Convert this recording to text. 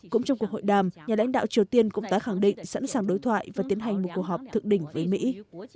cũng trong cuộc hội đàm nhà lãnh đạo triều tiên cũng đã khẳng định sẵn sàng đối thoại và tiến hành một cuộc họp thực định với mỹ